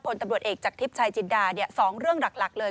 ตำรวจเอกจากทิพย์ชายจินดา๒เรื่องหลักเลย